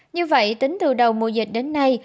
như vậy tính từ đầu mùa dịch đến nay